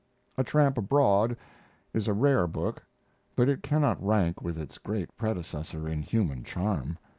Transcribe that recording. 'A Tramp Abroad' is a rare book, but it cannot rank with its great predecessor in human charm.